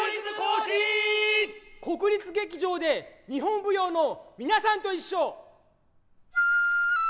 国立劇場で日本舞踊のみなさんといっしょ。